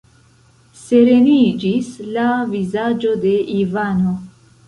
Sereniĝis la vizaĝo de Ivano.